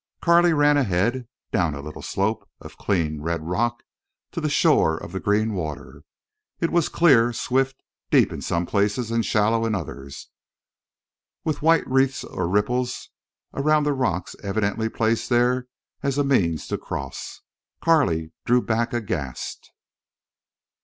Carley ran ahead, down a little slope of clean red rock, to the shore of the green water. It was clear, swift, deep in some places and shallow in others, with white wreathes or ripples around the rocks evidently placed there as a means to cross. Carley drew back aghast.